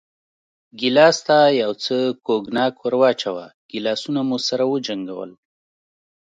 ګیلاس ته یو څه کوګناک ور واچوه، ګیلاسونه مو سره وجنګول.